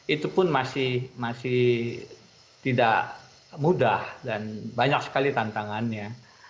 itu pun masih tidak mudah dan banyak sekali tantangannya